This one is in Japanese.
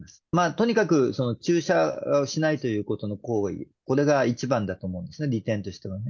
とにかく注射しないということの行為、これが一番だと思うんですね、利点としてはね。